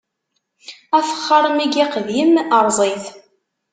Afexxaṛ mi yiqdem, erẓ-it!